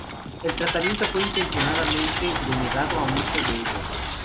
El tratamiento fue intencionadamente denegado a muchos de ellos.